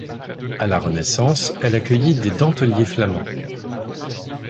À la Renaissance, elle accueillit des dentelliers flamands.